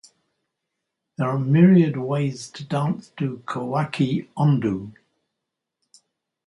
There are myriad ways to dance to Kawachi Ondo.